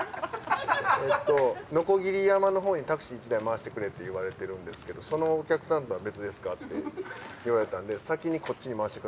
のこぎり山のほうにタクシー１台回してくれって言われてるんですけどそのお客さんとは別ですか？って言われたんで。